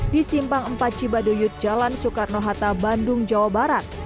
di simpang empat cibaduyut jalan soekarno hatta bandung jawa barat